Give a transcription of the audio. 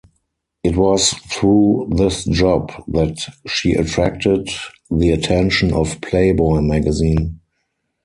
It was through this job that she attracted the attention of "Playboy" magazine.